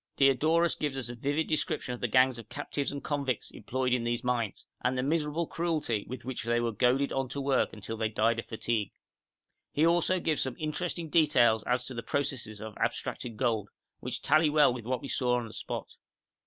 Diodorus gives us a vivid description of the gangs of captives and convicts employed in these mines, and the miserable cruelty with which they were goaded on to work until they died of fatigue. He also gives some interesting details as to the processes of abstracting gold, which tally well with what we saw on the spot.